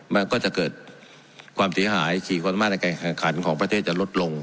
มันก็จะเกิดความเสียหายขี่ความสามารถในการแข่งขันของประเทศจะลดลง